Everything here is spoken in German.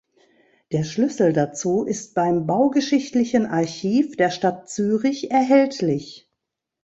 Der Schlüssel dazu ist beim Baugeschichtlichen Archiv der Stadt Zürich erhältlich.